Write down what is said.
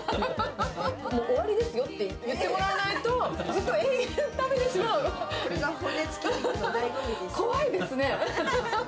もう終わりですよって言ってもらわないと、ずっと永遠、食べてしこれが骨付き肉のだいご味で怖いですね。